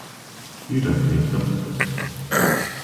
You don't need them.